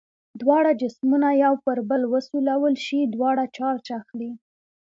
دواړه جسمونه یو پر بل وسولول شي دواړه چارج اخلي.